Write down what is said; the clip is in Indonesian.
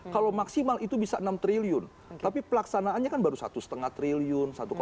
kalau maksimal itu bisa enam triliun tapi pelaksanaannya kan baru satu lima triliun